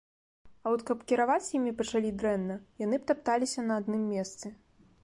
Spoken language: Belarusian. А от каб кіраваць імі пачалі дрэнна, яны б тапталіся на адным месцы.